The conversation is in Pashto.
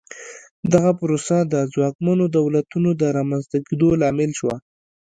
دغه پروسه د ځواکمنو دولتونو د رامنځته کېدو لامل شوه.